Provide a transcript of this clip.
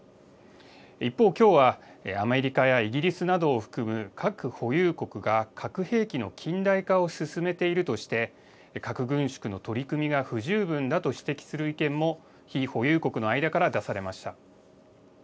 一方、きょうはアメリカやイギリスなどを含む核保有国が核兵器の近代化を進めているとして、核軍縮の取り組みが不十分だと指摘する意見も非保有国の間から出されました。